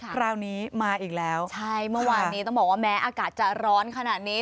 คราวนี้มาอีกแล้วใช่เมื่อวานนี้ต้องบอกว่าแม้อากาศจะร้อนขนาดนี้